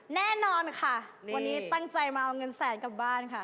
แน่นอนค่ะวันนี้ตั้งใจมาเอาเงินแสนกลับบ้านค่ะ